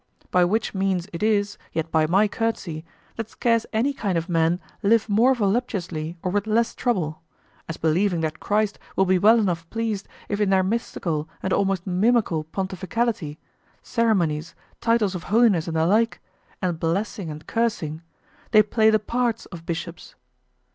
By which means it is, yet by my courtesy, that scarce any kind of men live more voluptuously or with less trouble; as believing that Christ will be well enough pleased if in their mystical and almost mimical pontificality, ceremonies, titles of holiness and the like, and blessing and cursing, they play the parts of bishops.